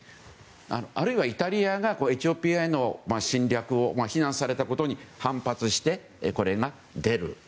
あるいは、イタリアがエチオピアへの侵略を非難されたことに反発して出る。